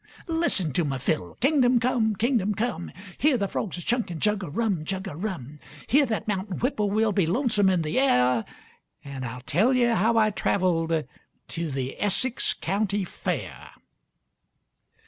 Listen to my fiddle Kingdom Come Kingdom Come! Hear the frogs a chunkin' 'Jug o' rum, Jug o' rum!' Hear that mountain whippoorwill be lonesome in the air, An' I'll tell yuh how I travelled to the Essex County Fair.